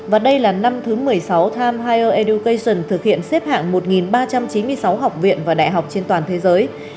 và đây là năm thứ một mươi sáu time higer education thực hiện xếp hạng một ba trăm chín mươi sáu học viện và đại học trên toàn thế giới